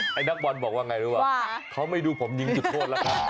มิวร์เหตุบอลบอกว่าไงรู้หรือหวะ